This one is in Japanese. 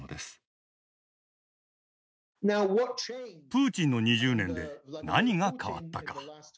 プーチンの２０年で何が変わったか。